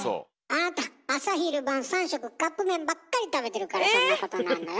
あなた朝昼晩三食カップ麺ばっかり食べてるからそんなことになるのよ。